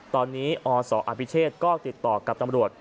ตอนนี้อศอภิเชษก็ติดต่อกับตำรวจ